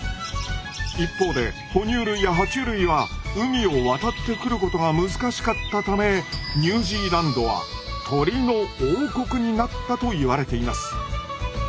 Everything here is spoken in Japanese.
一方で哺乳類やは虫類は海を渡ってくることが難しかったためニュージーランドは鳥の王国になったといわれています。